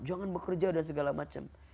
jangan bekerja dan segala macam